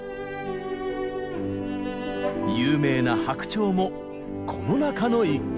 有名な「白鳥」もこの中の１曲。